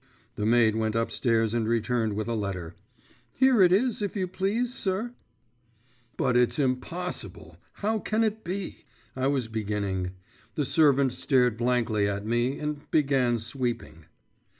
The maid went upstairs and returned with a letter. 'Here it is, if you please, sir.' 'But it's impossible … how can it be?…' I was beginning. The servant stared blankly at me, and began sweeping.